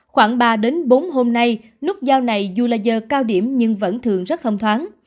khoảng ba đến bốn hôm nay nút giao này dù là giờ cao điểm nhưng vẫn thường rất thông thoáng